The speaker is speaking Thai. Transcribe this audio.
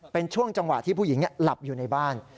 เป็นช่วงจังหวะที่ผู้หญิงหลับอยู่ในบ้าน